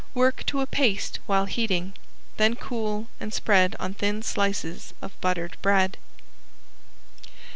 Work to a paste while heating, then cool and spread on thin slices of buttered bread.